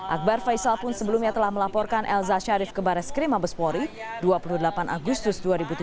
akbar faisal pun sebelumnya telah melaporkan elsa sharif ke baris krim mabespori dua puluh delapan agustus dua ribu tujuh belas